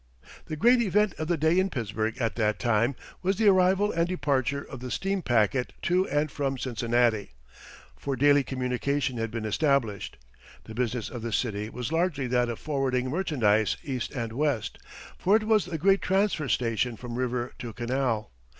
] The great event of the day in Pittsburgh at that time was the arrival and departure of the steam packet to and from Cincinnati, for daily communication had been established. The business of the city was largely that of forwarding merchandise East and West, for it was the great transfer station from river to canal.